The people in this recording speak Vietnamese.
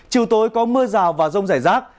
chiều tối có mưa rào và rông rải rác